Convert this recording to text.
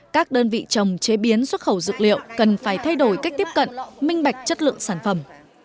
các đơn vị trồng chế biến xuất khẩu dược liệu cần phải thay đổi cách tiếp cận minh bạch chất lượng sản phẩm